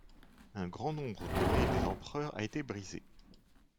Un grand nombre de nez des empereurs a été brisé.